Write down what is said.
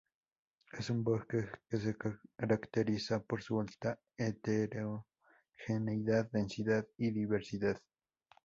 Es un bosque que se caracteriza por su alta heterogeneidad, densidad y diversidad.